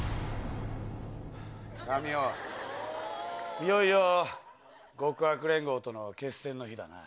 いよいよ極悪連合との決戦の日だな。